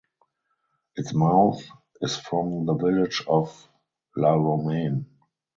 Its mouth is from the village of La Romaine.